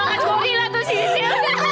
ya kebangga gorilla tuh sisir